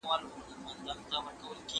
له یوه سره تر بله یې ځغستله